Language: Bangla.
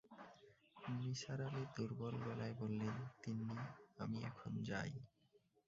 নিসার আলি দুর্বল গলায় বললেন, তিন্নি, আমি এখন যাই!